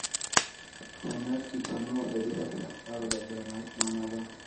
په هنر کې تنوع د بېلابېلو افکارو د درناوي په مانا ده.